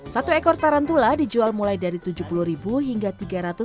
satu ekor tarantula dijual mulai dari jawa tenggara jawa tenggara